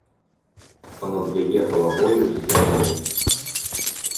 А над яе галавою ззянне.